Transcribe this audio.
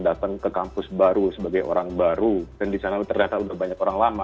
tapi kalau kita lihat di kampus baru sebagai orang baru dan di sana terdapat banyak orang lama